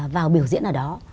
vào biểu diễn ở đó